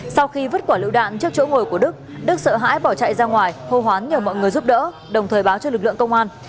sau khi vứt quả lựu đạn trước chỗ ngồi của đức đức sợ hãi bỏ chạy ra ngoài hô hoán nhờ mọi người giúp đỡ đồng thời báo cho lực lượng công an